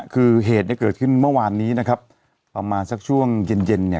คือเหตุเนี่ยเกิดขึ้นเมื่อวานนี้นะครับประมาณสักช่วงเย็นเย็นเนี่ย